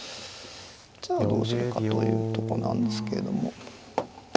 じゃあどうするかというとこなんですけれども。